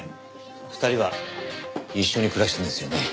２人は一緒に暮らしてるんですよね？